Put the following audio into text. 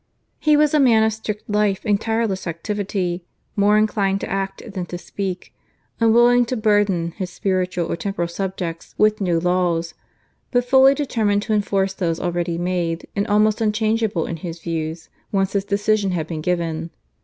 He was a man of strict life and tireless activity, more inclined to act than to speak, unwilling to burthen his spiritual or temporal subjects with new laws, but fully determined to enforce those already made, and almost unchangeable in his views once his decision had been given.